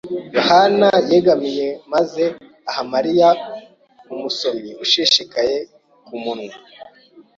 yohani yegamiye maze aha Mariya umusomyi ushishikaye ku munwa.